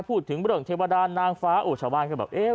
พูดถึงบริษัทเทวดานนางฟ้าโอชวาล